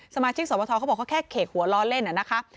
สมาชิกสวทเขาบอกเขาแค่เขตหัวล้อเล่นนะคะ